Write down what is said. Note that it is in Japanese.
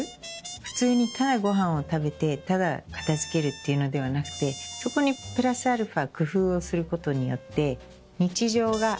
普通にただごはんを食べてただ片付けるっていうのではなくてそこにプラスアルファ工夫をすることによって。